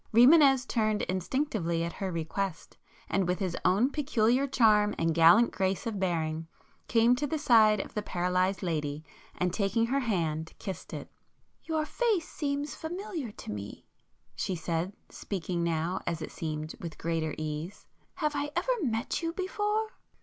[p 150]Rimânez turned instinctively at her request, and with his own peculiar charm and gallant grace of bearing, came to the side of the paralysed lady, and taking her hand, kissed it. "Your face seems familiar to me,"—she said, speaking now, as it seemed, with greater ease—"Have I ever met you before?"